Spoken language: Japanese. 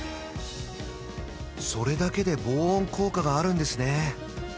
それだけで防音効果があるんですね